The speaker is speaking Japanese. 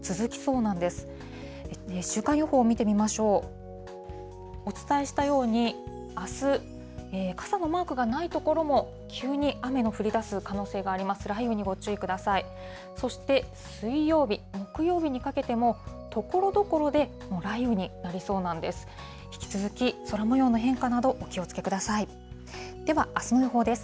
そして水曜日、木曜日にかけても、ところどころで雷雨になりそうなんです。